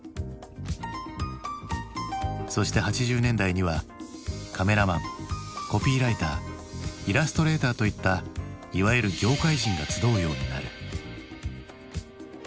そして８０年代にはカメラマンコピーライターイラストレーターといったいわゆる「ギョーカイ人」が集うようになる。